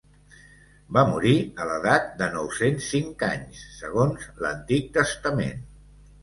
Va morir a l'edat de nou-cents cinc anys, segons l'Antic Testament.